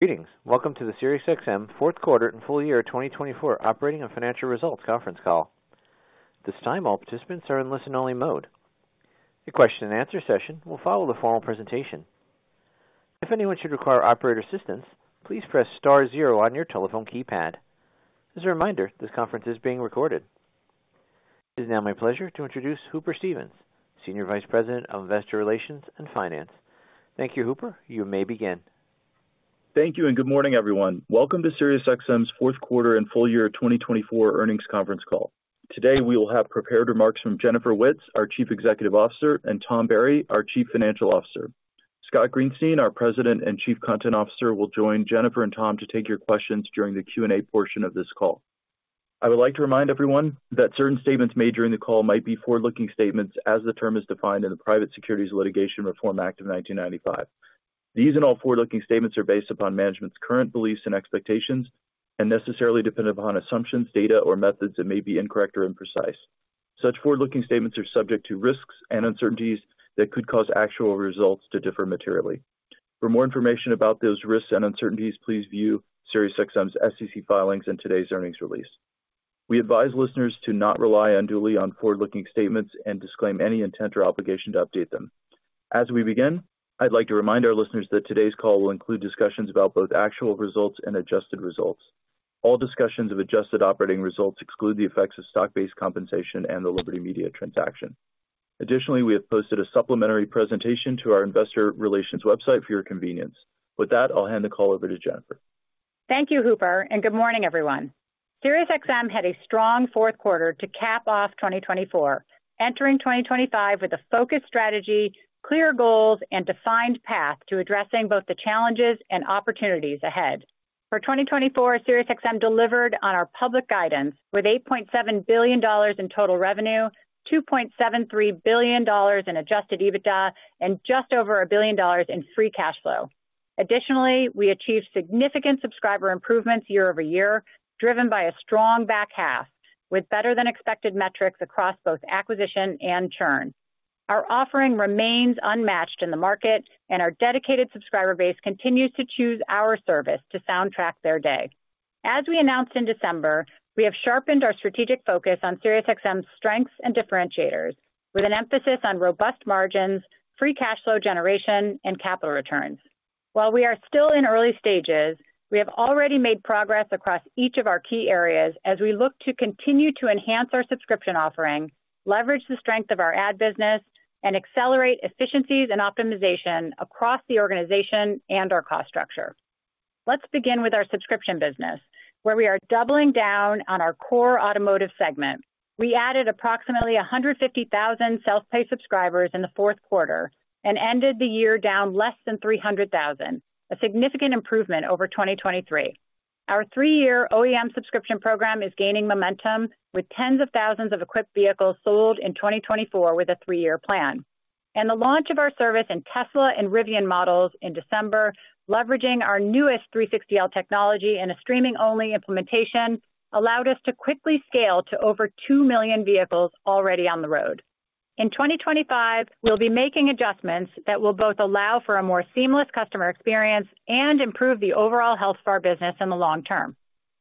Greetings. Welcome to the SiriusXM Fourth Quarter and Full Year 2024 Operating and Financial Results Conference Call. This time, all participants are in listen-only mode. The Q&A session will follow the formal presentation. If anyone should require operator assistance, please press star zero on your telephone keypad. As a reminder, this conference is being recorded. It is now my pleasure to introduce Hooper Stevens, Senior Vice President of Investor Relations and Finance. Thank you, Hooper. You may begin. Thank you and good morning, everyone. Welcome to SiriusXM's Fourth Quarter and Full Year 2024 Earnings Conference Call. Today, we will have prepared remarks from Jennifer Witz, our Chief Executive Officer, and Tom Barry, our Chief Financial Officer. Scott Greenstein, our President and Chief Content Officer, will join Jennifer and Tom to take your questions during the Q&A portion of this call. I would like to remind everyone that certain statements made during the call might be forward-looking statements, as the term is defined in the Private Securities Litigation Reform Act of 1995. These and all forward-looking statements are based upon management's current beliefs and expectations and necessarily depend upon assumptions, data, or methods that may be incorrect or imprecise. Such forward-looking statements are subject to risks and uncertainties that could cause actual results to differ materially. For more information about those risks and uncertainties, please view SiriusXM's SEC filings and today's earnings release. We advise listeners to not rely unduly on forward-looking statements and disclaim any intent or obligation to update them. As we begin, I'd like to remind our listeners that today's call will include discussions about both actual results and adjusted results. All discussions of adjusted operating results exclude the effects of stock-based compensation and the Liberty Media transaction. Additionally, we have posted a supplementary presentation to our Investor Relations website for your convenience. With that, I'll hand the call over to Jennifer. Thank you, Hooper, and good morning, everyone. SiriusXM had a strong fourth quarter to cap off 2024, entering 2025 with a focused strategy, clear goals, and defined path to addressing both the challenges and opportunities ahead. For 2024, SiriusXM delivered on our public guidance with $8.7 billion in total revenue, $2.73 billion in Adjusted EBITDA, and just over a billion dollars in free cash flow. Additionally, we achieved significant subscriber improvements year-over-year, driven by a strong back half, with better-than-expected metrics across both acquisition and churn. Our offering remains unmatched in the market, and our dedicated subscriber base continues to choose our service to soundtrack their day. As we announced in December, we have sharpened our strategic focus on SiriusXM's strengths and differentiators, with an emphasis on robust margins, free cash flow generation, and capital returns. While we are still in early stages, we have already made progress across each of our key areas as we look to continue to enhance our subscription offering, leverage the strength of our ad business, and accelerate efficiencies and optimization across the organization and our cost structure. Let's begin with our subscription business, where we are doubling down on our core automotive segment. We added approximately 150,000 self-pay subscribers in the fourth quarter and ended the year down less than 300,000, a significant improvement over 2023. Our three-year OEM subscription program is gaining momentum, with tens of thousands of equipped vehicles sold in 2024 with a three-year plan, and the launch of our service in Tesla and Rivian models in December, leveraging our newest 360L technology and a streaming-only implementation, allowed us to quickly scale to over 2 million vehicles already on the road. In 2025, we'll be making adjustments that will both allow for a more seamless customer experience and improve the overall SiriusXM business in the long term.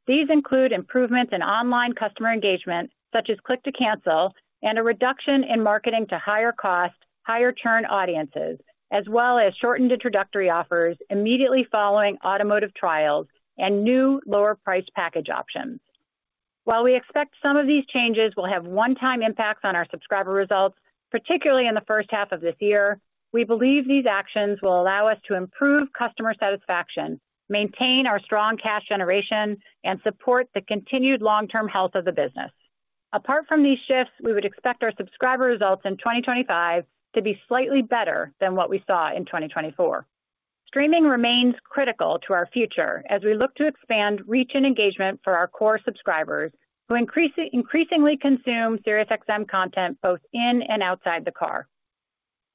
These include improvements in online customer engagement, such as click-to-cancel, and a reduction in marketing to higher-cost, higher-churn audiences, as well as shortened introductory offers immediately following automotive trials and new lower-priced package options. While we expect some of these changes will have one-time impacts on our subscriber results, particularly in the first half of this year, we believe these actions will allow us to improve customer satisfaction, maintain our strong cash generation, and support the continued long-term health of the business. Apart from these shifts, we would expect our subscriber results in 2025 to be slightly better than what we saw in 2024. Streaming remains critical to our future as we look to expand reach and engagement for our core subscribers, who increasingly consume SiriusXM content both in and outside the car.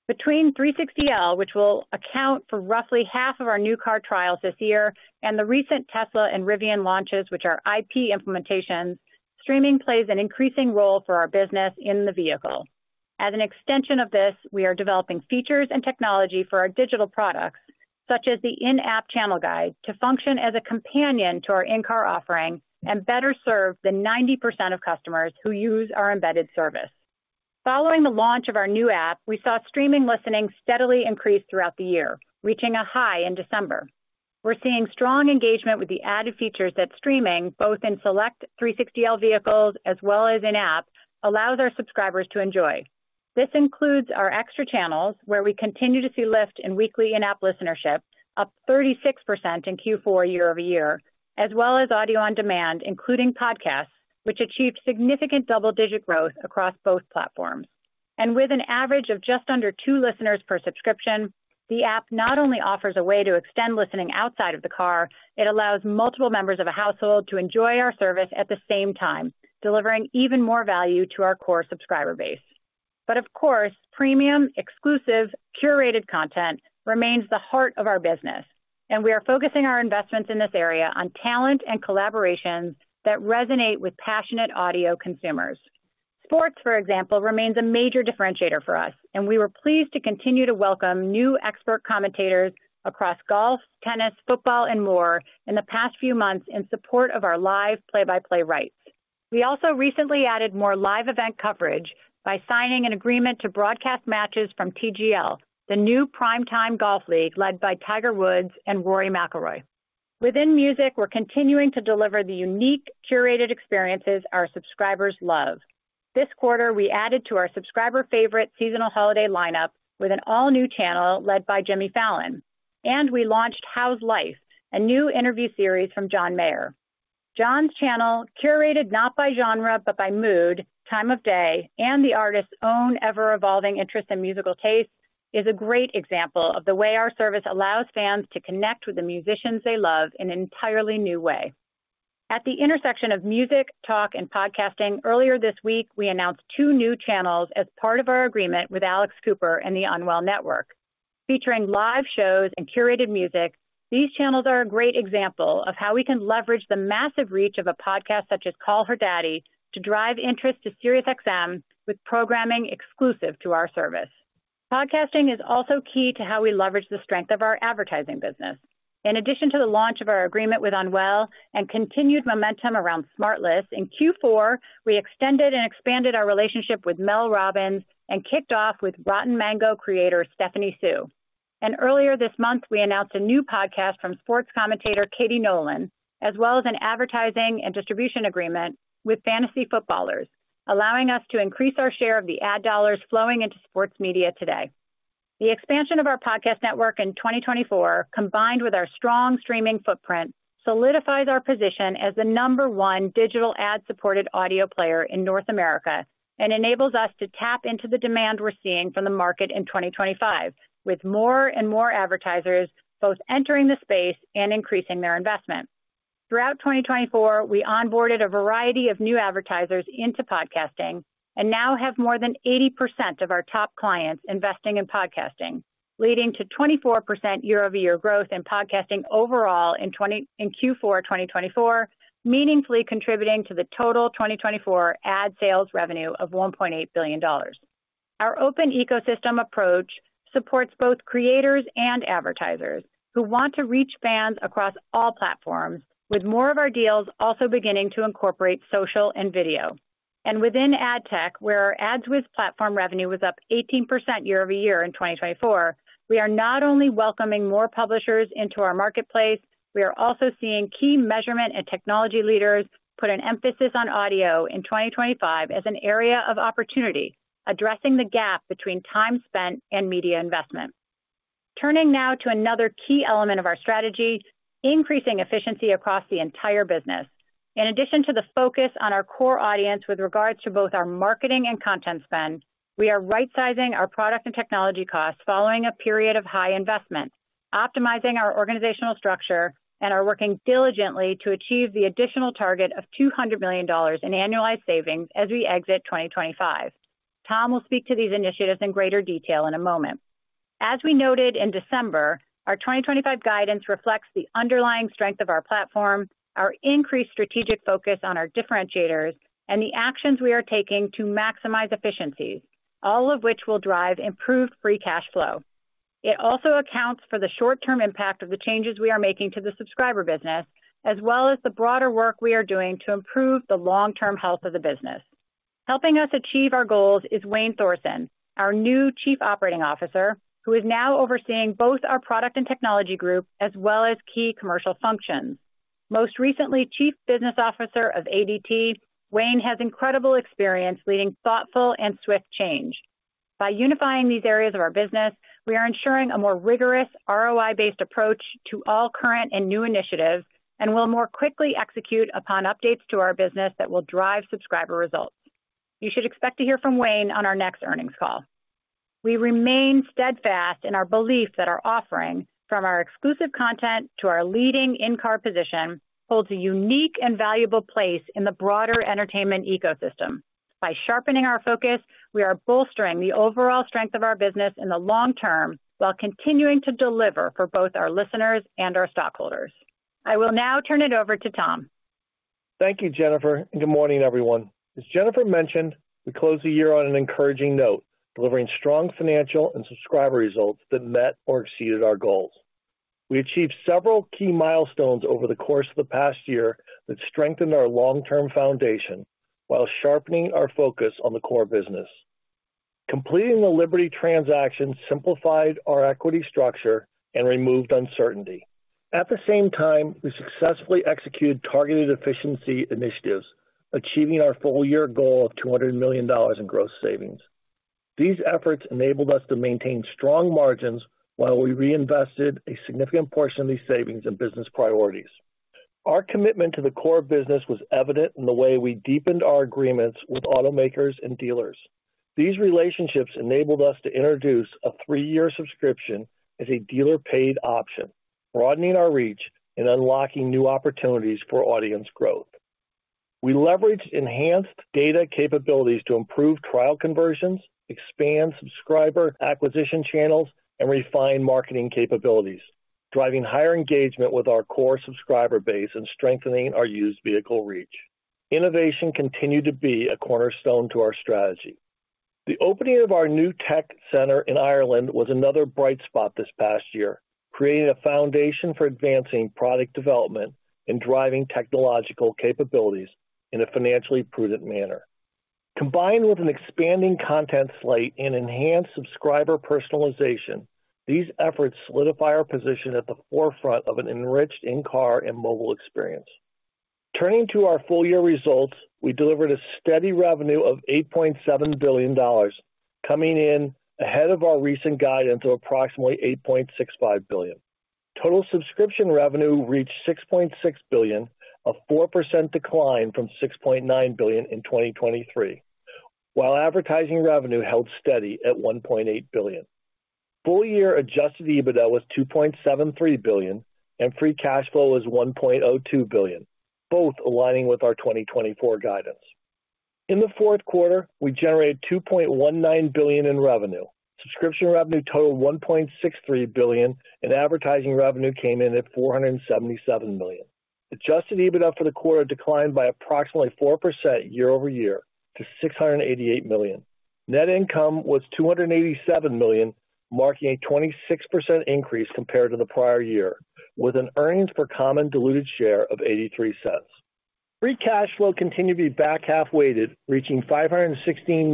Between 360L, which will account for roughly half of our new car trials this year, and the recent Tesla and Rivian launches, which are IP implementations, streaming plays an increasing role for our business in the vehicle. As an extension of this, we are developing features and technology for our digital products, such as the in-app channel guide, to function as a companion to our in-car offering and better serve the 90% of customers who use our embedded service. Following the launch of our new app, we saw streaming listening steadily increase throughout the year, reaching a high in December. We're seeing strong engagement with the added features that streaming, both in select 360L vehicles as well as in-app, allows our subscribers to enjoy. This includes our extra channels, where we continue to see lift in weekly in-app listenership, up 36% in Q4 year-over-year, as well as audio on demand, including podcasts, which achieved significant double-digit growth across both platforms, and with an average of just under two listeners per subscription, the app not only offers a way to extend listening outside of the car, it allows multiple members of a household to enjoy our service at the same time, delivering even more value to our core subscriber base, but of course, premium, exclusive, curated content remains the heart of our business, and we are focusing our investments in this area on talent and collaborations that resonate with passionate audio consumers. Sports, for example, remains a major differentiator for us, and we were pleased to continue to welcome new expert commentators across golf, tennis, football, and more in the past few months in support of our live play-by-play rights. We also recently added more live event coverage by signing an agreement to broadcast matches from TGL, the new primetime golf league led by Tiger Woods and Rory McIlroy. Within music, we're continuing to deliver the unique, curated experiences our subscribers love. This quarter, we added to our subscriber-favorite seasonal holiday lineup with an all-new channel led by Jimmy Fallon, and we launched How's Life, a new interview series from John Mayer. John's channel, curated not by genre but by mood, time of day, and the artist's own ever-evolving interests and musical taste, is a great example of the way our service allows fans to connect with the musicians they love in an entirely new way. At the intersection of music, talk, and podcasting, earlier this week, we announced two new channels as part of our agreement with Alex Cooper and the Unwell Network. Featuring live shows and curated music, these channels are a great example of how we can leverage the massive reach of a podcast such as Call Her Daddy to drive interest to SiriusXM with programming exclusive to our service. Podcasting is also key to how we leverage the strength of our advertising business. In addition to the launch of our agreement with Unwell and continued momentum around SmartLess, in Q4, we extended and expanded our relationship with Mel Robbins and kicked off with Rotten Mango creator Stephanie Soo, and earlier this month, we announced a new podcast from sports commentator Katie Nolan, as well as an advertising and distribution agreement with Fantasy Footballers, allowing us to increase our share of the ad dollars flowing into sports media today. The expansion of our podcast network in 2024, combined with our strong streaming footprint, solidifies our position as the number one digital ad-supported audio player in North America and enables us to tap into the demand we're seeing from the market in 2025, with more and more advertisers both entering the space and increasing their investment. Throughout 2024, we onboarded a variety of new advertisers into podcasting and now have more than 80% of our top clients investing in podcasting, leading to 24% year-over-year growth in podcasting overall in Q4 2024, meaningfully contributing to the total 2024 ad sales revenue of $1.8 billion. Our open ecosystem approach supports both creators and advertisers who want to reach fans across all platforms, with more of our deals also beginning to incorporate social and video. Within AdTech, where our AdsWizz platform revenue was up 18% year-over-year in 2024, we are not only welcoming more publishers into our marketplace, we are also seeing key measurement and technology leaders put an emphasis on audio in 2025 as an area of opportunity, addressing the gap between time spent and media investment. Turning now to another key element of our strategy, increasing efficiency across the entire business. In addition to the focus on our core audience with regards to both our marketing and content spend, we are right-sizing our product and technology costs following a period of high investment, optimizing our organizational structure, and are working diligently to achieve the additional target of $200 million in annualized savings as we exit 2025. Tom will speak to these initiatives in greater detail in a moment. As we noted in December, our 2025 guidance reflects the underlying strength of our platform, our increased strategic focus on our differentiators, and the actions we are taking to maximize efficiencies, all of which will drive improved free cash flow. It also accounts for the short-term impact of the changes we are making to the subscriber business, as well as the broader work we are doing to improve the long-term health of the business. Helping us achieve our goals is Wayne Thorsen, our new Chief Operating Officer, who is now overseeing both our product and technology group as well as key commercial functions. Most recently, Chief Business Officer of ADT, Wayne has incredible experience leading thoughtful and swift change. By unifying these areas of our business, we are ensuring a more rigorous ROI-based approach to all current and new initiatives and will more quickly execute upon updates to our business that will drive subscriber results. You should expect to hear from Wayne on our next earnings call. We remain steadfast in our belief that our offering, from our exclusive content to our leading in-car position, holds a unique and valuable place in the broader entertainment ecosystem. By sharpening our focus, we are bolstering the overall strength of our business in the long term while continuing to deliver for both our listeners and our stockholders. I will now turn it over to Tom. Thank you, Jennifer, and good morning, everyone. As Jennifer mentioned, we closed the year on an encouraging note, delivering strong financial and subscriber results that met or exceeded our goals. We achieved several key milestones over the course of the past year that strengthened our long-term foundation while sharpening our focus on the core business. Completing the Liberty transaction simplified our equity structure and removed uncertainty. At the same time, we successfully executed targeted efficiency initiatives, achieving our full-year goal of $200 million in gross savings. These efforts enabled us to maintain strong margins while we reinvested a significant portion of these savings in business priorities. Our commitment to the core business was evident in the way we deepened our agreements with automakers and dealers. These relationships enabled us to introduce a three-year subscription as a dealer-paid option, broadening our reach and unlocking new opportunities for audience growth. We leveraged enhanced data capabilities to improve trial conversions, expand subscriber acquisition channels, and refine marketing capabilities, driving higher engagement with our core subscriber base and strengthening our used vehicle reach. Innovation continued to be a cornerstone to our strategy. The opening of our new tech center in Ireland was another bright spot this past year, creating a foundation for advancing product development and driving technological capabilities in a financially prudent manner. Combined with an expanding content slate and enhanced subscriber personalization, these efforts solidify our position at the forefront of an enriched in-car and mobile experience. Turning to our full-year results, we delivered a steady revenue of $8.7 billion, coming in ahead of our recent guidance of approximately $8.65 billion. Total subscription revenue reached $6.6 billion, a 4% decline from $6.9 billion in 2023, while advertising revenue held steady at $1.8 billion. Full-year adjusted EBITDA was $2.73 billion, and free cash flow was $1.02 billion, both aligning with our 2024 guidance. In the fourth quarter, we generated $2.19 billion in revenue. Subscription revenue totaled $1.63 billion, and advertising revenue came in at $477 million. Adjusted EBITDA for the quarter declined by approximately 4% year-over-year to $688 million. Net income was $287 million, marking a 26% increase compared to the prior year, with an earnings per common diluted share of $0.83. Free cash flow continued to be back-half weighted, reaching $516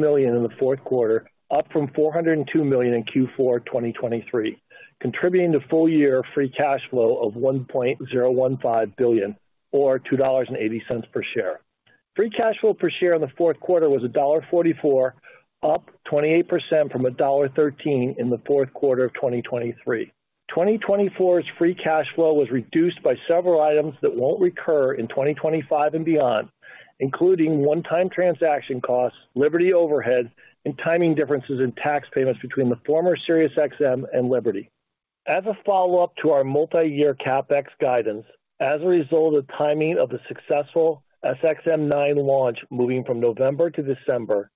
million in the fourth quarter, up from $402 million in Q4 2023, contributing to full-year free cash flow of $1.015 billion, or $2.80 per share. Free cash flow per share in the fourth quarter was $1.44, up 28% from $1.13 in the fourth quarter of 2023. 2024's free cash flow was reduced by several items that won't recur in 2025 and beyond, including one-time transaction costs, Liberty overheads, and timing differences in tax payments between the former SiriusXM and Liberty. As a follow-up to our multi-year CapEx guidance, as a result of the timing of the successful SXM-9 launch moving from November to December,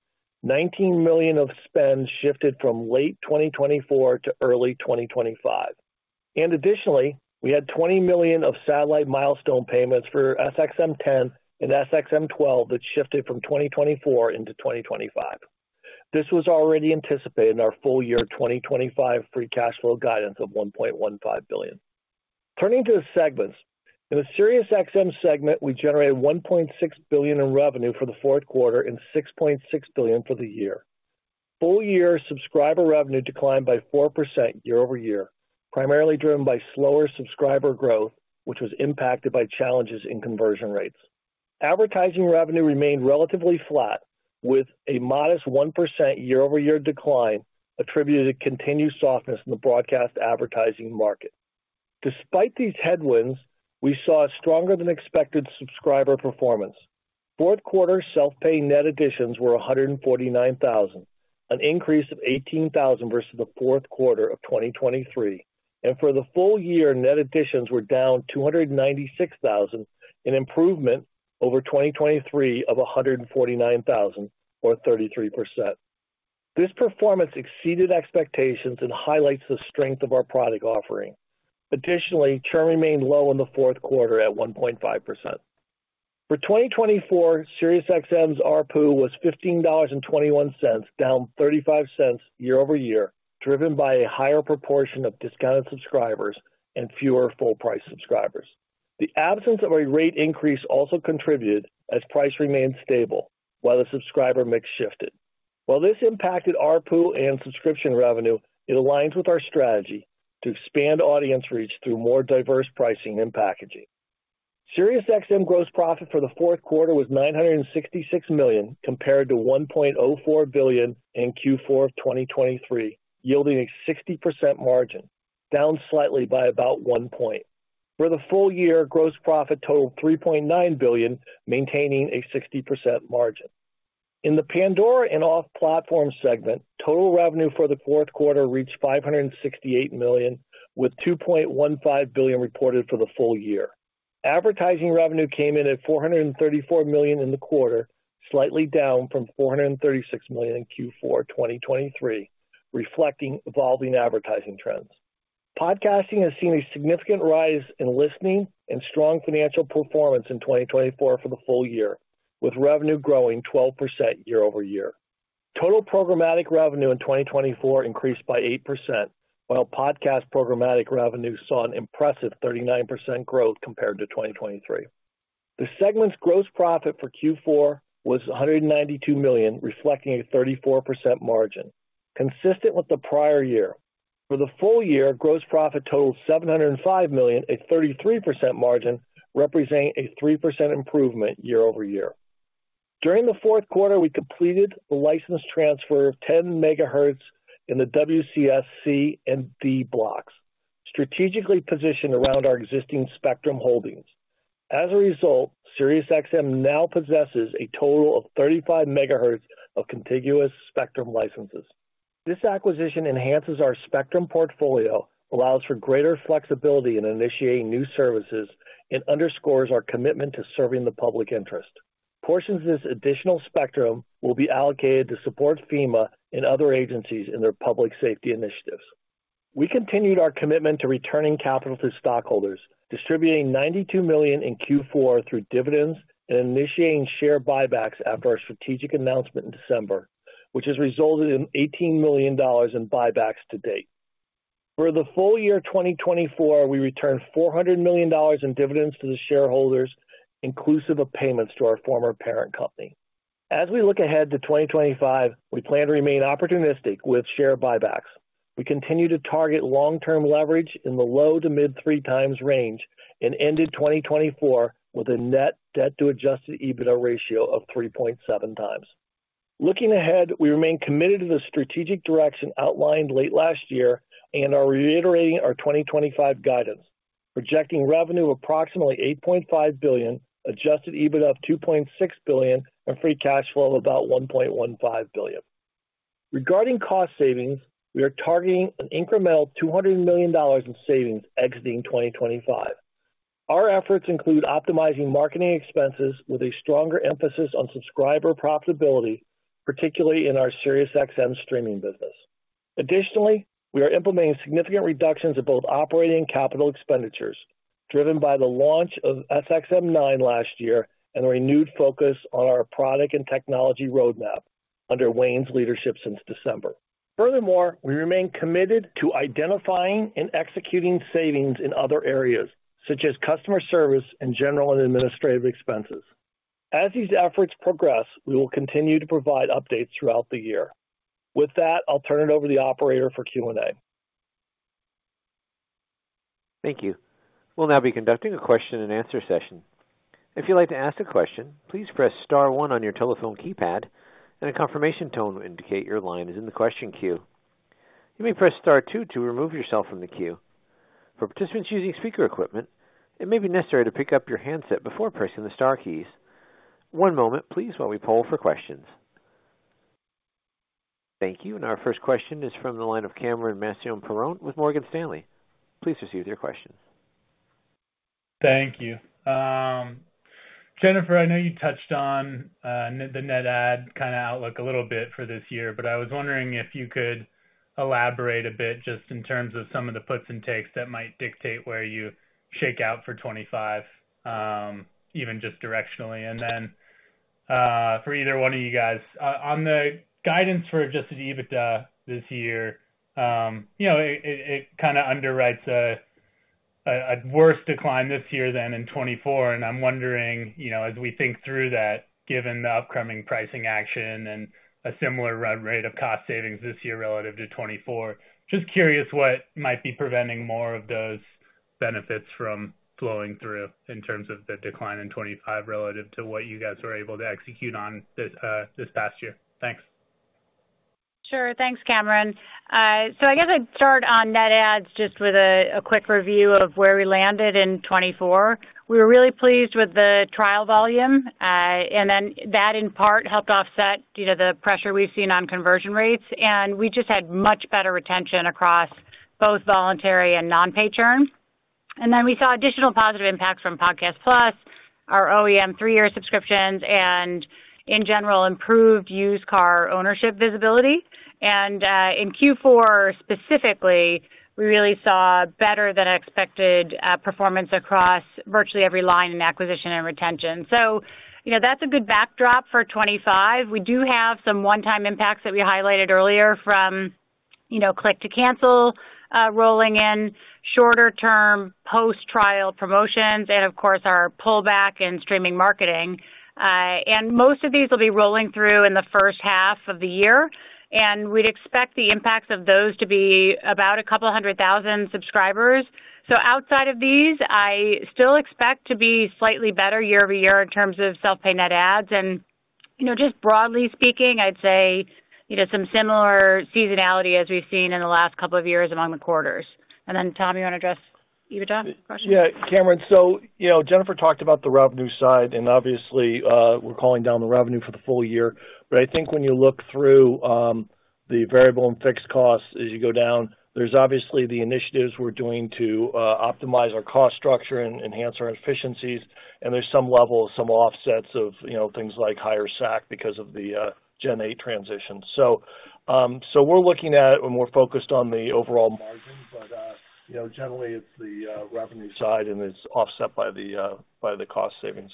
$19 million of spend shifted from late 2024 to early 2025. And additionally, we had $20 million of satellite milestone payments for SXM-10 and SXM-12 that shifted from 2024 into 2025. This was already anticipated in our full-year 2025 free cash flow guidance of $1.15 billion. Turning to the segments, in the SiriusXM segment, we generated $1.6 billion in revenue for the fourth quarter and $6.6 billion for the year. Full-year subscriber revenue declined by 4% year-over-year, primarily driven by slower subscriber growth, which was impacted by challenges in conversion rates. Advertising revenue remained relatively flat, with a modest 1% year-over-year decline attributed to continued softness in the broadcast advertising market. Despite these headwinds, we saw a stronger-than-expected subscriber performance. Fourth-quarter self-pay net additions were $149,000, an increase of $18,000 versus the fourth quarter of 2023, and for the full-year, net additions were down $296,000, an improvement over 2023 of $149,000, or 33%. This performance exceeded expectations and highlights the strength of our product offering. Additionally, churn remained low in the fourth quarter at 1.5%. For 2024, SiriusXM's RPU was $15.21, down $0.35 year-over-year, driven by a higher proportion of discounted subscribers and fewer full-price subscribers. The absence of a rate increase also contributed as price remained stable while the subscriber mix shifted. While this impacted RPU and subscription revenue, it aligns with our strategy to expand audience reach through more diverse pricing and packaging. SiriusXM gross profit for the fourth quarter was $966 million, compared to $1.04 billion in Q4 of 2023, yielding a 60% margin, down slightly by about one point. For the full-year, gross profit totaled $3.9 billion, maintaining a 60% margin. In the Pandora and Off Platform segment, total revenue for the fourth quarter reached $568 million, with $2.15 billion reported for the full year. Advertising revenue came in at $434 million in the quarter, slightly down from $436 million in Q4 2023, reflecting evolving advertising trends. Podcasting has seen a significant rise in listening and strong financial performance in 2024 for the full year, with revenue growing 12% year-over-year. Total programmatic revenue in 2024 increased by 8%, while podcast programmatic revenue saw an impressive 39% growth compared to 2023. The segment's gross profit for Q4 was $192 million, reflecting a 34% margin, consistent with the prior year. For the full-year, gross profit totaled $705 million, a 33% margin, representing a 3% improvement year-over-year. During the fourth quarter, we completed the license transfer of 10 megahertz in the WCSC and D blocks, strategically positioned around our existing Spectrum holdings. As a result, SiriusXM now possesses a total of 35 megahertz of contiguous Spectrum licenses. This acquisition enhances our Spectrum portfolio, allows for greater flexibility in initiating new services, and underscores our commitment to serving the public interest. Portions of this additional Spectrum will be allocated to support FEMA and other agencies in their public safety initiatives. We continued our commitment to returning capital to stockholders, distributing $92 million in Q4 through dividends and initiating share buybacks after our strategic announcement in December, which has resulted in $18 million in buybacks to date. For the full year 2024, we returned $400 million in dividends to the shareholders, inclusive of payments to our former parent company. As we look ahead to 2025, we plan to remain opportunistic with share buybacks. We continue to target long-term leverage in the low to mid-three times range and ended 2024 with a net debt-to-adjusted EBITDA ratio of 3.7 times. Looking ahead, we remain committed to the strategic direction outlined late last year and are reiterating our 2025 guidance, projecting revenue of approximately $8.5 billion, adjusted EBITDA of $2.6 billion, and free cash flow of about $1.15 billion. Regarding cost savings, we are targeting an incremental $200 million in savings exiting 2025. Our efforts include optimizing marketing expenses with a stronger emphasis on subscriber profitability, particularly in our SiriusXM streaming business. Additionally, we are implementing significant reductions in both operating and capital expenditures, driven by the launch of SXM-9 last year and a renewed focus on our product and technology roadmap under Wayne's leadership since December. Furthermore, we remain committed to identifying and executing savings in other areas, such as customer service and general and administrative expenses. As these efforts progress, we will continue to provide updates throughout the year. With that, I'll turn it over to the operator for Q&A. Thank you. We'll now be conducting a question-and-answer session. If you'd like to ask a question, please press Star one on your telephone keypad, and a confirmation tone will indicate your line is in the question queue. You may press Star two to remove yourself from the queue. For participants using speaker equipment, it may be necessary to pick up your handset before pressing the Star keys. One moment, please, while we poll for questions. Thank you. Our first question is from the line of Cameron Mansson-Perron with Morgan Stanley. Please proceed with your questions. Thank you. Jennifer, I know you touched on the net add kind of outlook a little bit for this year, but I was wondering if you could elaborate a bit just in terms of some of the puts and takes that might dictate where you shake out for 2025, even just directionally? And then for either one of you guys, on the guidance for Adjusted EBITDA this year, it kind of underwrites a worse decline this year than in 2024. And I'm wondering, as we think through that, given the upcoming pricing action and a similar rate of cost savings this year relative to 2024, just curious what might be preventing more of those benefits from flowing through in terms of the decline in 2025 relative to what you guys were able to execute on this past year? Thanks. Sure. Thanks, Cameron. So I guess I'd start on net adds just with a quick review of where we landed in 2024. We were really pleased with the trial volume, and then that in part helped offset the pressure we've seen on conversion rates. And we just had much better retention across both voluntary and non-pay churn. And then we saw additional positive impacts from Podcast Plus, our OEM three-year subscriptions, and in general, improved used car ownership visibility. And in Q4 specifically, we really saw better than expected performance across virtually every line in acquisition and retention. So that's a good backdrop for 2025. We do have some one-time impacts that we highlighted earlier from click-to-cancel rolling in, shorter-term post-trial promotions, and of course, our pullback in streaming marketing. And most of these will be rolling through in the first half of the year. We'd expect the impacts of those to be about a couple hundred thousand subscribers. Outside of these, I still expect to be slightly better year-over-year in terms of self-pay net adds. Just broadly speaking, I'd say some similar seasonality as we've seen in the last couple of years among the quarters. Then, Tom, you want to address EBITDA question? Yeah. Cameron, so Jennifer talked about the revenue side, and obviously, we're calling down the revenue for the full year. But I think when you look through the variable and fixed costs as you go down, there's obviously the initiatives we're doing to optimize our cost structure and enhance our efficiencies. And there's some level of some offsets of things like higher SAC because of the Gen 8 transition. So we're looking at it and we're focused on the overall margin, but generally, it's the revenue side and it's offset by the cost savings.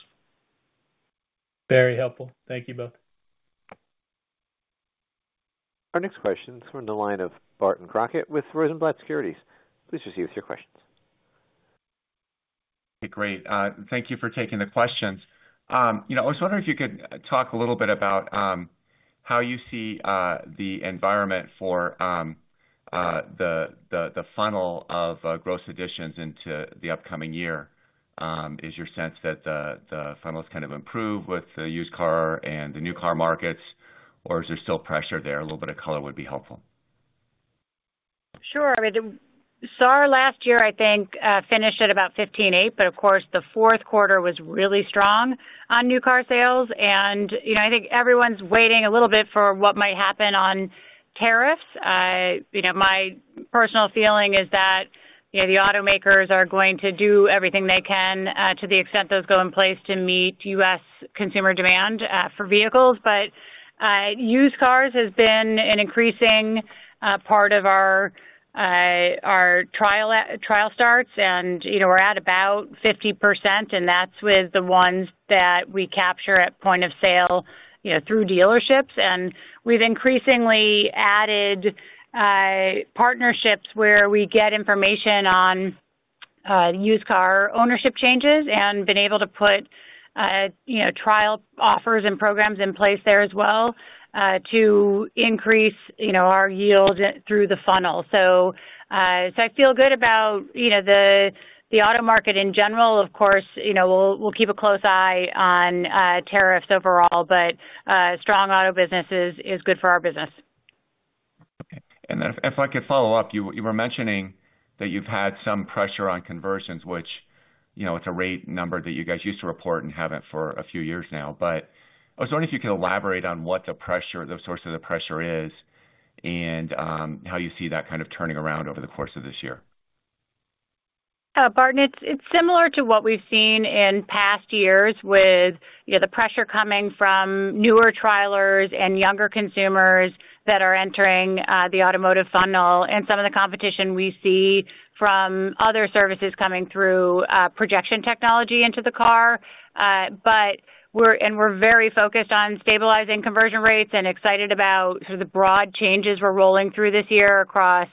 Very helpful. Thank you both. Our next question is from the line of Barton Crockett with Rosenblatt Securities. Please proceed with your questions. Okay, great. Thank you for taking the questions. I was wondering if you could talk a little bit about how you see the environment for the funnel of gross additions into the upcoming year. Is your sense that the funnel has kind of improved with the used car and the new car markets, or is there still pressure there? A little bit of color would be helpful. Sure. I mean, SAR last year, I think, finished at about 15.8, but of course, the fourth quarter was really strong on new car sales, and I think everyone's waiting a little bit for what might happen on tariffs. My personal feeling is that the automakers are going to do everything they can to the extent those go in place to meet U.S. consumer demand for vehicles, but used cars has been an increasing part of our trial starts, and we're at about 50%, and that's with the ones that we capture at point of sale through dealerships, and we've increasingly added partnerships where we get information on used car ownership changes and been able to put trial offers and programs in place there as well to increase our yield through the funnel, so I feel good about the auto market in general. Of course, we'll keep a close eye on tariffs overall, but strong auto business is good for our business. Okay. And then, if I could follow up, you were mentioning that you've had some pressure on conversions, which it's a rate number that you guys used to report and haven't for a few years now. But I was wondering if you could elaborate on what the pressure, the source of the pressure, is, and how you see that kind of turning around over the course of this year. Barton, it's similar to what we've seen in past years with the pressure coming from newer trialers and younger consumers that are entering the automotive funnel and some of the competition we see from other services coming through projection technology into the car. And we're very focused on stabilizing conversion rates and excited about the broad changes we're rolling through this year across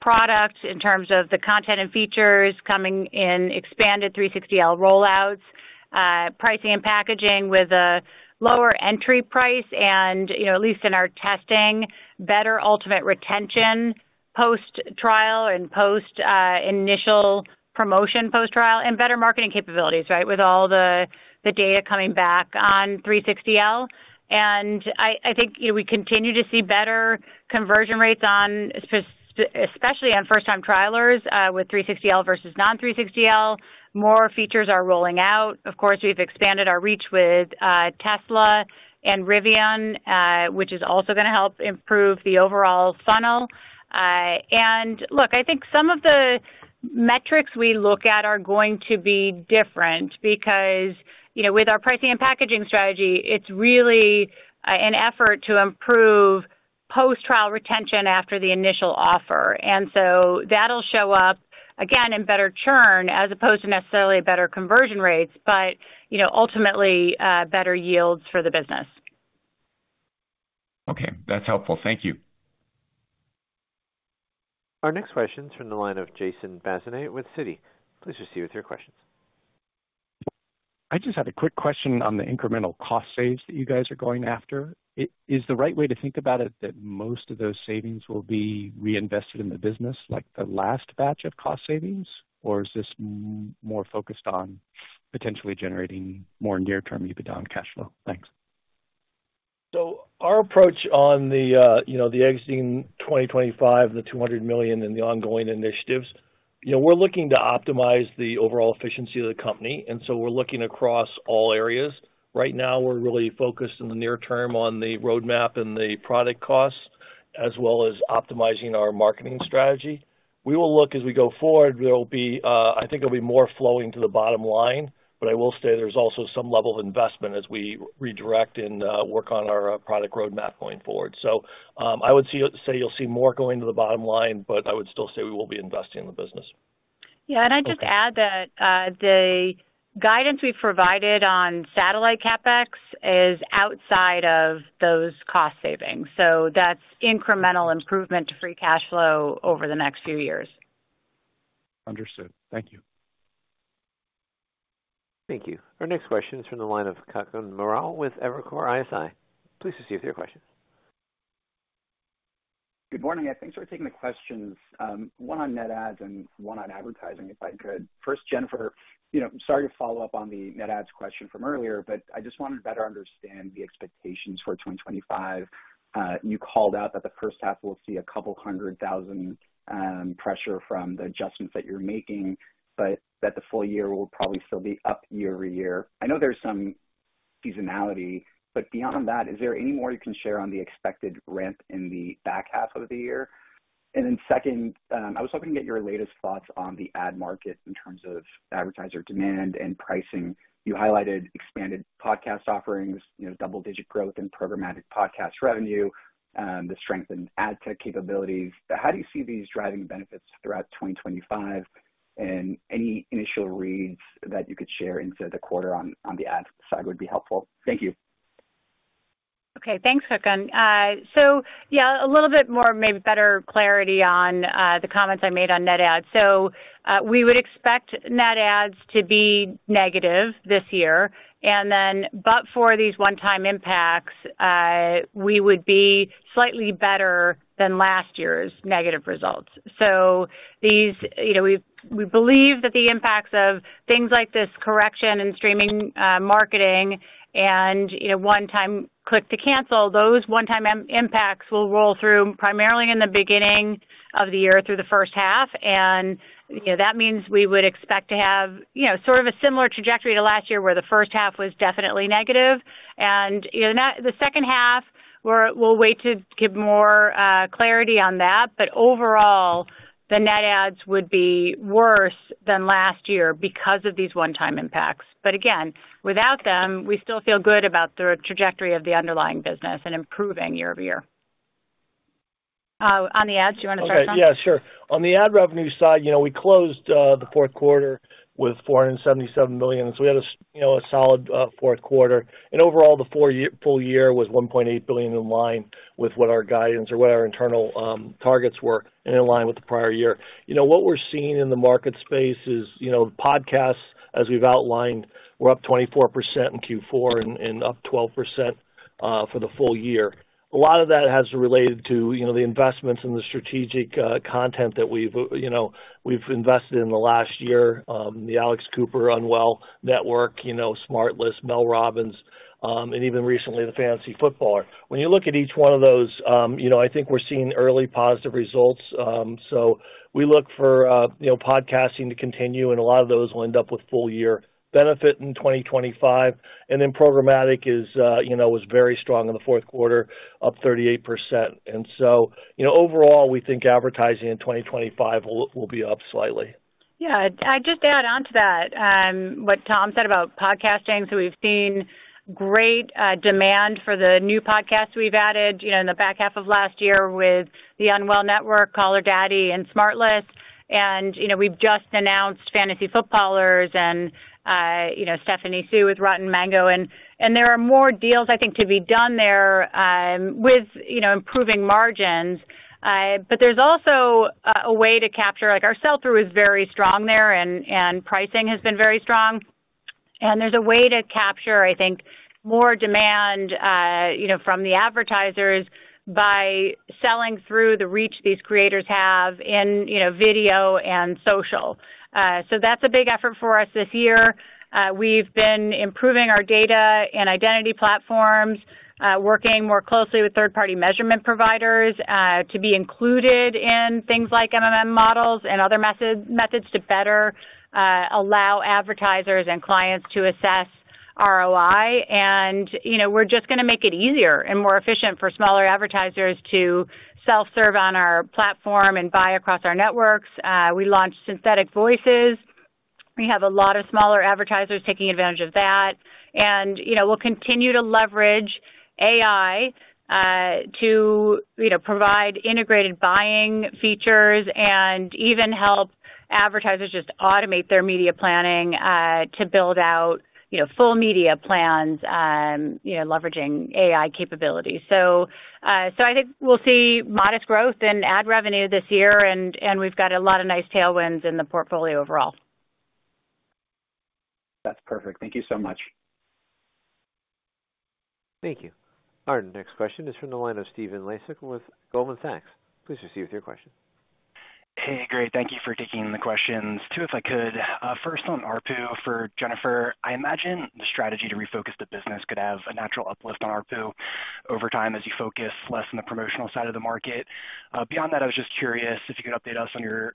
products in terms of the content and features coming in expanded 360L rollouts, pricing and packaging with a lower entry price, and at least in our testing, better ultimate retention post-trial and post-initial promotion post-trial, and better marketing capabilities, right, with all the data coming back on 360L. And I think we continue to see better conversion rates, especially on first-time trialers with 360L versus non-360L. More features are rolling out. Of course, we've expanded our reach with Tesla and Rivian, which is also going to help improve the overall funnel, and look, I think some of the metrics we look at are going to be different because with our pricing and packaging strategy, it's really an effort to improve post-trial retention after the initial offer, and so that'll show up, again, in better churn as opposed to necessarily better conversion rates, but ultimately better yields for the business. Okay. That's helpful. Thank you. Our next question is from the line of Jason Bazinet with Citi. Please proceed with your questions. I just had a quick question on the incremental cost savings that you guys are going after. Is the right way to think about it that most of those savings will be reinvested in the business, like the last batch of cost savings, or is this more focused on potentially generating more near-term EBITDA and cash flow? Thanks. Our approach on entering 2025, the $200 million, and the ongoing initiatives, we're looking to optimize the overall efficiency of the company. We're looking across all areas. Right now, we're really focused in the near term on the roadmap and the product costs, as well as optimizing our marketing strategy. We will look as we go forward. I think it'll be more flowing to the bottom line, but I will say there's also some level of investment as we redirect and work on our product roadmap going forward. I would say you'll see more going to the bottom line, but I would still say we will be investing in the business. Yeah. And I'd just add that the guidance we've provided on satellite CapEx is outside of those cost savings. So that's incremental improvement to free cash flow over the next few years. Understood. Thank you. Thank you. Our next question is from the line of Kutgun Maral with Evercore ISI. Please proceed with your questions. Good morning. Thanks for taking the questions. One on net adds and one on advertising, if I could. First, Jennifer, sorry to follow up on the net adds question from earlier, but I just wanted to better understand the expectations for 2025. You called out that the first half will see a couple hundred thousand pressure from the adjustments that you're making, but that the full year will probably still be up year-over-year. I know there's some seasonality, but beyond that, is there any more you can share on the expected ramp in the back half of the year? And then second, I was hoping to get your latest thoughts on the ad market in terms of advertiser demand and pricing. You highlighted expanded podcast offerings, double-digit growth in programmatic podcast revenue, the strengthened ad tech capabilities. How do you see these driving benefits throughout 2025? Any initial reads that you could share into the quarter on the ad side would be helpful. Thank you. Okay. Thanks, Crockett. So yeah, a little bit more, maybe better clarity on the comments I made on net adds. We would expect net adds to be negative this year. Then but for these one-time impacts, we would be slightly better than last year's negative results. We believe that the impacts of things like this correction in streaming marketing and one-time click-to-cancel, those one-time impacts will roll through primarily in the beginning of the year through the first half. That means we would expect to have sort of a similar trajectory to last year where the first half was definitely negative. The second half, we'll wait to give more clarity on that. Overall, the net adds would be worse than last year because of these one-time impacts. But again, without them, we still feel good about the trajectory of the underlying business and improving year-over-year. On the ads, do you want to start something? Okay. Yeah, sure. On the ad revenue side, we closed the fourth quarter with $477 million. So we had a solid fourth quarter, and overall, the full year was $1.8 billion in line with what our guidance or what our internal targets were and in line with the prior year. What we're seeing in the market space is podcasts, as we've outlined, we're up 24% in Q4 and up 12% for the full year. A lot of that has related to the investments and the strategic content that we've invested in the last year, the Alex Cooper Unwell Network, SmartLess, Mel Robbins, and even recently, the Fantasy Footballers. When you look at each one of those, I think we're seeing early positive results. So we look for podcasting to continue, and a lot of those will end up with full-year benefit in 2025. Programmatic was very strong in the fourth quarter, up 38%. So overall, we think advertising in 2025 will be up slightly. Yeah. I'd just add on to that what Tom said about podcasting. So we've seen great demand for the new podcasts we've added in the back half of last year with the Unwell Network, Call Her Daddy, and SmartLess. And we've just announced Fantasy Footballers and Stephanie Soo with Rotten Mango. And there are more deals, I think, to be done there with improving margins. But there's also a way to capture our sell-through is very strong there, and pricing has been very strong. And there's a way to capture, I think, more demand from the advertisers by selling through the reach these creators have in video and social. So that's a big effort for us this year. We've been improving our data and identity platforms, working more closely with third-party measurement providers to be included in things like models and other methods to better allow advertisers and clients to assess ROI. And we're just going to make it easier and more efficient for smaller advertisers to self-serve on our platform and buy across our networks. We launched synthetic voices. We have a lot of smaller advertisers taking advantage of that. And we'll continue to leverage AI to provide integrated buying features and even help advertisers just automate their media planning to build out full media plans leveraging AI capabilities. So I think we'll see modest growth in ad revenue this year, and we've got a lot of nice tailwinds in the portfolio overall. That's perfect. Thank you so much. Thank you. Our next question is from the line of Stephen Laszczyk with Goldman Sachs. Please proceed with your question. Hey, great. Thank you for taking the questions. Two, if I could. First, on ARPU for Jennifer, I imagine the strategy to refocus the business could have a natural uplift on ARPU over time as you focus less on the promotional side of the market. Beyond that, I was just curious if you could update us on your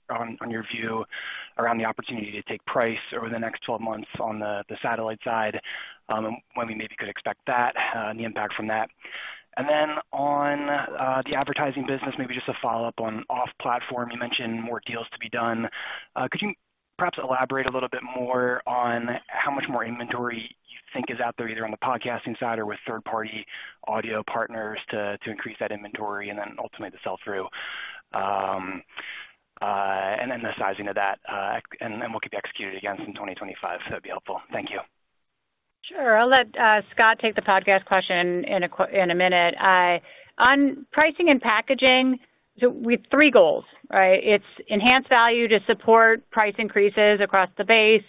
view around the opportunity to take price over the next 12 months on the satellite side and when we maybe could expect that and the impact from that. And then on the advertising business, maybe just a follow-up on off-platform. You mentioned more deals to be done. Could you perhaps elaborate a little bit more on how much more inventory you think is out there, either on the podcasting side or with third-party audio partners to increase that inventory and then ultimately the sell-through and then the sizing of that? What could be executed against in 2025? That would be helpful. Thank you. Sure. I'll let Scott take the podcast question in a minute. On pricing and packaging, we have three goals, right? It's enhance value to support price increases across the base,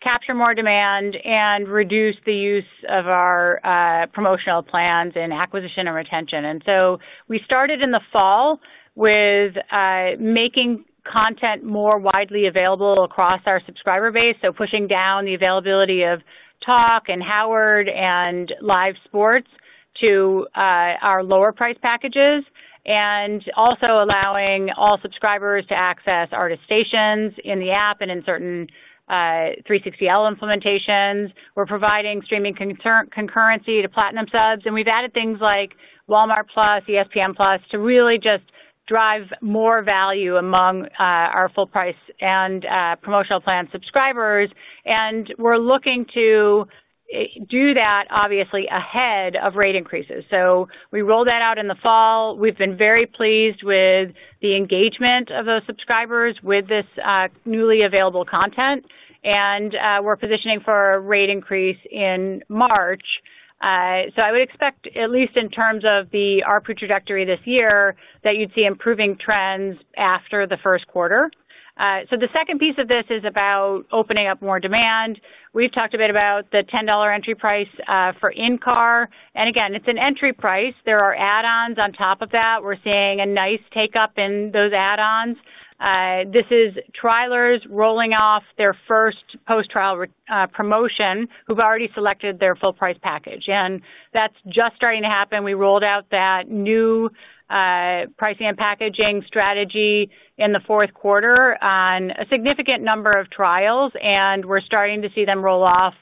capture more demand, and reduce the use of our promotional plans in acquisition and retention. And so we started in the fall with making content more widely available across our subscriber base, so pushing down the availability of Talk and Howard and Live Sports to our lower-priced packages and also allowing all subscribers to access artist stations in the app and in certain 360L implementations. We're providing streaming concurrency to Platinum Subs. And we've added things like Walmart+, ESPN+ to really just drive more value among our full-price and promotional plan subscribers. And we're looking to do that, obviously, ahead of rate increases. So we rolled that out in the fall. We've been very pleased with the engagement of those subscribers with this newly available content, and we're positioning for a rate increase in March. So I would expect, at least in terms of the ARPU trajectory this year, that you'd see improving trends after the first quarter, so the second piece of this is about opening up more demand. We've talked a bit about the $10 entry price for in-car and, again, it's an entry price. There are add-ons on top of that. We're seeing a nice take-up in those add-ons. This is trialers rolling off their first post-trial promotion who've already selected their full-price package, and that's just starting to happen. We rolled out that new pricing and packaging strategy in the fourth quarter on a significant number of trials, and we're starting to see them roll off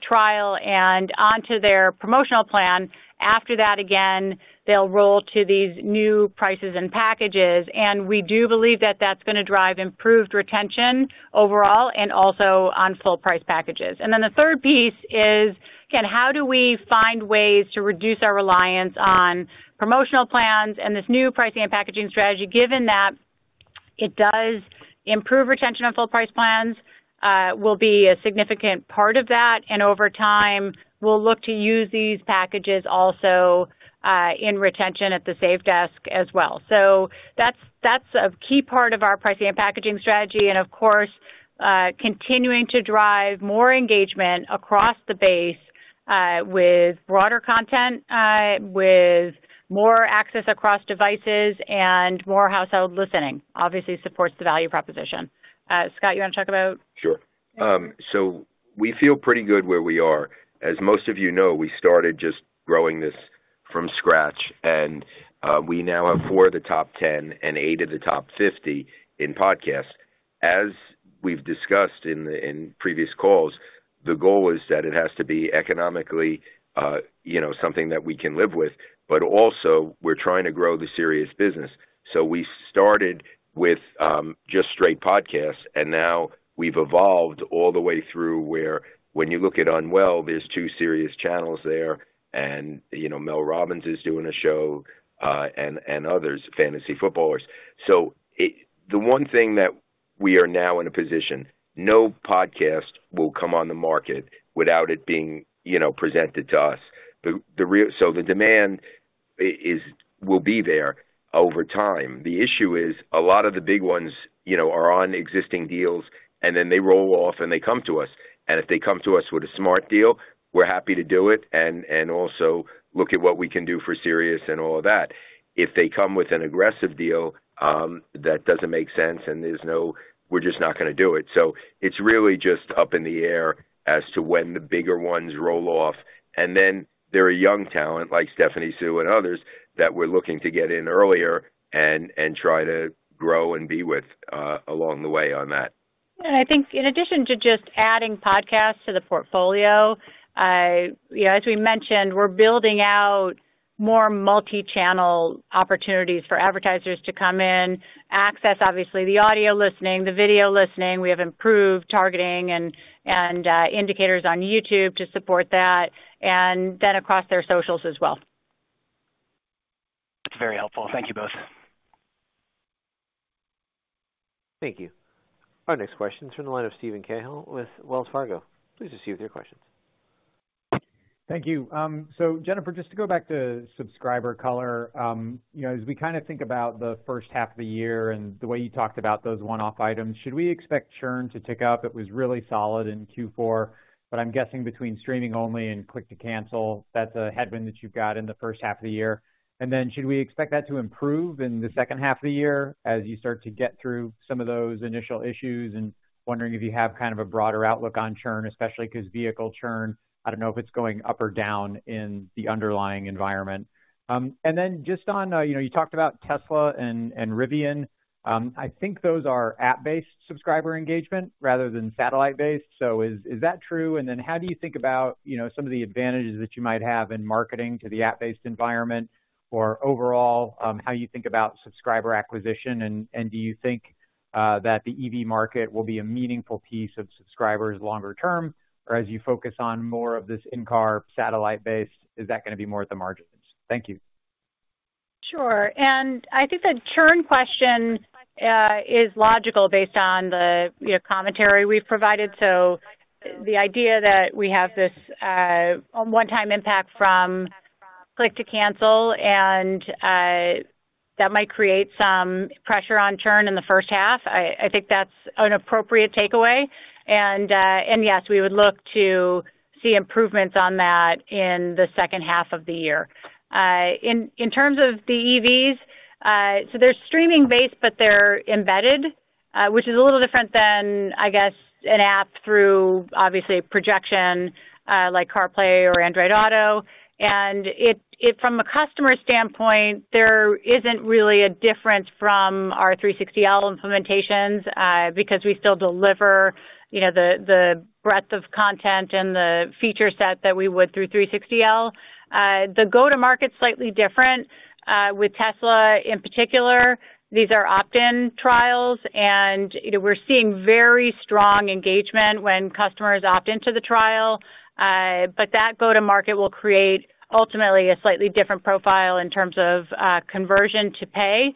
trial and onto their promotional plan. After that, again, they'll roll to these new prices and packages. And we do believe that that's going to drive improved retention overall and also on full-price packages. And then the third piece is, again, how do we find ways to reduce our reliance on promotional plans and this new pricing and packaging strategy, given that it does improve retention on full-price plans, will be a significant part of that. And over time, we'll look to use these packages also in retention at the save desk as well. So that's a key part of our pricing and packaging strategy. And, of course, continuing to drive more engagement across the base with broader content, with more access across devices, and more household listening, obviously, supports the value proposition. Scott, you want to talk about? Sure. So we feel pretty good where we are. As most of you know, we started just growing this from scratch, and we now have four of the top 10 and eight of the top 50 in podcasts. As we've discussed in previous calls, the goal is that it has to be economically something that we can live with, but also, we're trying to grow the Sirius business. So we started with just straight podcasts, and now we've evolved all the way through where when you look at Unwell, there's two Sirius channels there. And Mel Robbins is doing a show and others, Fantasy Footballers. So the one thing that we are now in a position, no podcast will come on the market without it being presented to us. So the demand will be there over time. The issue is a lot of the big ones are on existing deals, and then they roll off and they come to us. And if they come to us with a smart deal, we're happy to do it and also look at what we can do for Sirius and all of that. If they come with an aggressive deal, that doesn't make sense and we're just not going to do it. So it's really just up in the air as to when the bigger ones roll off. And then there are young talent like Stephanie Soo and others that we're looking to get in earlier and try to grow and be with along the way on that. Yeah. I think in addition to just adding podcasts to the portfolio, as we mentioned, we're building out more multi-channel opportunities for advertisers to come in, access, obviously, the audio listening, the video listening. We have improved targeting and indicators on YouTube to support that and then across their socials as well. That's very helpful. Thank you both. Thank you. Our next question is from the line of Steven Cahall with Wells Fargo. Please proceed with your questions. Thank you. So Jennifer, just to go back to subscriber color, as we kind of think about the first half of the year and the way you talked about those one-off items, should we expect churn to tick up? It was really solid in Q4, but I'm guessing between streaming only and click-to-cancel, that's a headwind that you've got in the first half of the year. And then should we expect that to improve in the second half of the year as you start to get through some of those initial issues and wondering if you have kind of a broader outlook on churn, especially because vehicle churn, I don't know if it's going up or down in the underlying environment. And then, just on, you talked about Tesla and Rivian. I think those are app-based subscriber engagement rather than satellite-based. So is that true? And then how do you think about some of the advantages that you might have in marketing to the app-based environment or overall, how you think about subscriber acquisition? And do you think that the EV market will be a meaningful piece of subscribers longer term? Or as you focus on more of this in-car satellite-based, is that going to be more at the margins? Thank you. Sure. And I think the churn question is logical based on the commentary we've provided. So the idea that we have this one-time impact from click-to-cancel and that might create some pressure on churn in the first half, I think that's an appropriate takeaway. And yes, we would look to see improvements on that in the second half of the year. In terms of the EVs, so they're streaming-based, but they're embedded, which is a little different than, I guess, an app through, obviously, projection like CarPlay or Android Auto. And from a customer standpoint, there isn't really a difference from our 360L implementations because we still deliver the breadth of content and the feature set that we would through 360L. The go-to-market's slightly different. With Tesla, in particular, these are opt-in trials, and we're seeing very strong engagement when customers opt into the trial. But that go-to-market will create ultimately a slightly different profile in terms of conversion to pay.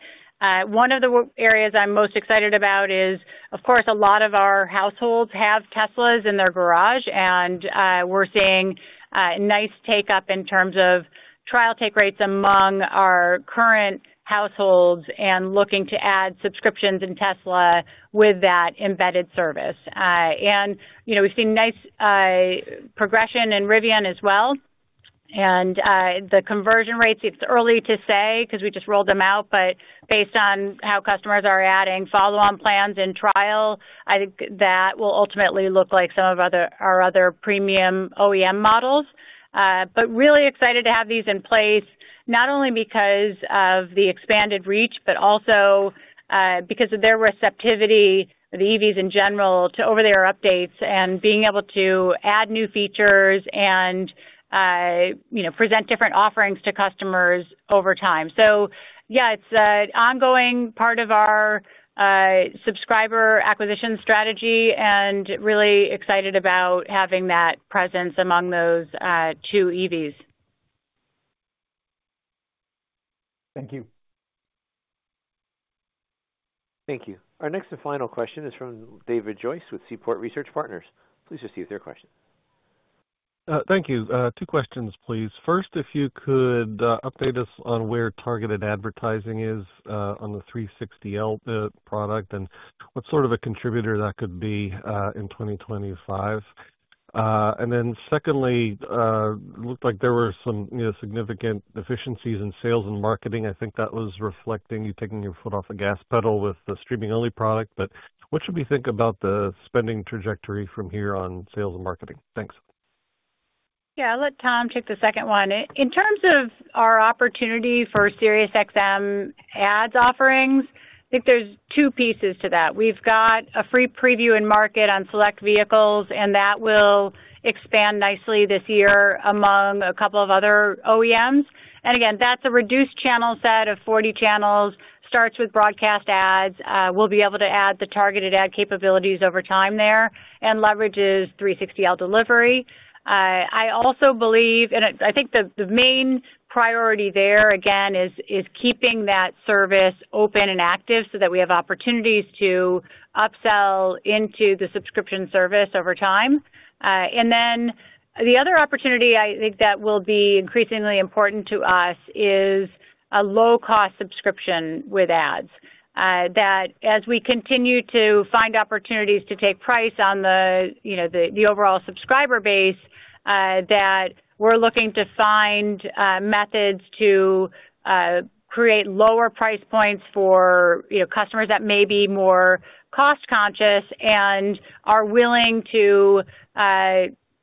One of the areas I'm most excited about is, of course, a lot of our households have Teslas in their garage, and we're seeing a nice take-up in terms of trial take rates among our current households and looking to add subscriptions in Tesla with that embedded service. And we've seen nice progression in Rivian as well. And the conversion rates, it's early to say because we just rolled them out, but based on how customers are adding follow-on plans in trial, I think that will ultimately look like some of our other premium OEM models. But really excited to have these in place, not only because of the expanded reach, but also because of their receptivity, the EVs in general, to over-the-air updates and being able to add new features and present different offerings to customers over time. So yeah, it's an ongoing part of our subscriber acquisition strategy and really excited about having that presence among those two EVs. Thank you. Thank you. Our next and final question is from David Joyce with Seaport Research Partners. Please proceed with your question. Thank you. Two questions, please. First, if you could update us on where targeted advertising is on the 360L product and what sort of a contributor that could be in 2025? And then secondly, it looked like there were some significant deficiencies in sales and marketing. I think that was reflecting you taking your foot off the gas pedal with the streaming-only product. But what should we think about the spending trajectory from here on sales and marketing? Thanks. Yeah. I'll let Tom take the second one. In terms of our opportunity for SiriusXM ads offerings, I think there's two pieces to that. We've got a free preview in market on select vehicles, and that will expand nicely this year among a couple of other OEMs. And again, that's a reduced channel set of 40 channels, starts with broadcast ads. We'll be able to add the targeted ad capabilities over time there and leverage 360L delivery. I also believe, and I think the main priority there, again, is keeping that service open and active so that we have opportunities to upsell into the subscription service over time. And then the other opportunity I think that will be increasingly important to us is a low-cost subscription with ads. That, as we continue to find opportunities to take price on the overall subscriber base, that we're looking to find methods to create lower price points for customers that may be more cost-conscious and are willing to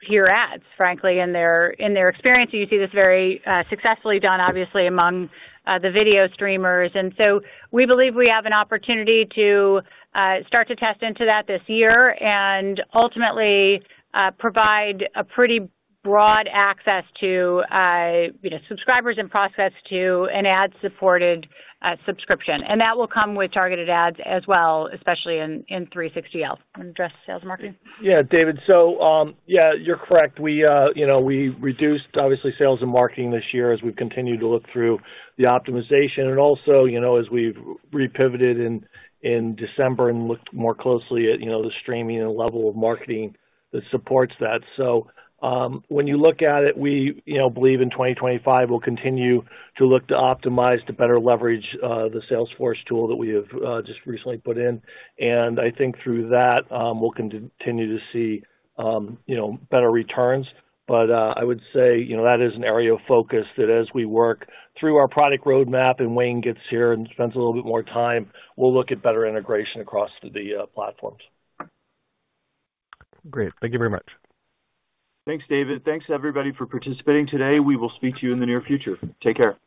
hear ads, frankly, in their experience. And you see this very successfully done, obviously, among the video streamers. And so we believe we have an opportunity to start to test into that this year and ultimately provide a pretty broad access to subscribers in process to an ad-supported subscription. And that will come with targeted ads as well, especially in 360L. Want to address sales and marketing? Yeah, David. So yeah, you're correct. We reduced, obviously, sales and marketing this year as we've continued to look through the optimization. And also, as we've repivoted in December and looked more closely at the streaming and level of marketing that supports that. So when you look at it, we believe in 2025, we'll continue to look to optimize to better leverage the Salesforce tool that we have just recently put in. And I think through that, we'll continue to see better returns. But I would say that is an area of focus that as we work through our product roadmap and Wayne gets here and spends a little bit more time, we'll look at better integration across the platforms. Great. Thank you very much. Thanks, David. Thanks, everybody, for participating today. We will speak to you in the near future. Take care.